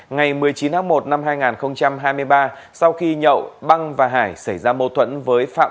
ngày một mươi chín tháng một năm hai nghìn hai mươi ba sau khi nhậu băng và hải xảy ra mâu thuẫn với phạm